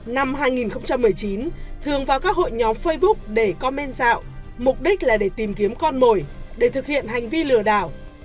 năm hai nghìn một mươi chín thường vào các hội nhóm facebook để co men dạo mục đích là để tìm kiếm con mồi để thực hiện hành vi lừa đảo